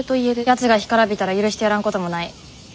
ヤツが干からびたら許してやらんこともない。